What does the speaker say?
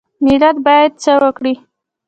ملت باید څه وکړي؟